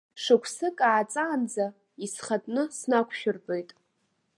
Шықәсык ааҵаанӡа, исхатәны снақәшәыртәоит.